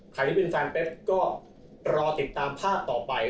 ใครที่เป็นแฟนเป๊สก็รอติดตามภาพต่อไป